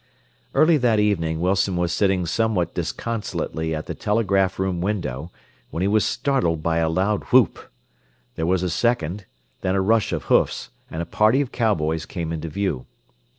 Early that evening Wilson was sitting somewhat disconsolately at the telegraph room window when he was startled by a loud whoop. There was a second, then a rush of hoofs, and a party of cowboys came into view.